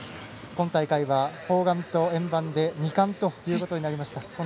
今大会は砲丸と円盤で２冠ということになりました。